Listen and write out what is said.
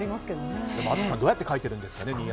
淳さん、どうやって書いてるんですかね。